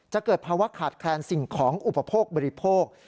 เกิดภาวะขาดแคลนสิ่งของอุปโภคบริโภค